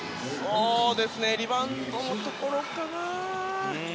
リバウンドのところかな。